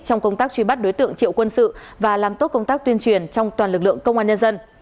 trong công tác truy bắt đối tượng triệu quân sự và làm tốt công tác tuyên truyền trong toàn lực lượng công an nhân dân